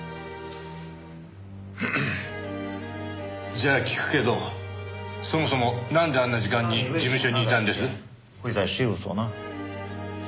じゃあ聞くけどそもそもなんであんな時間に事務所にいたんです？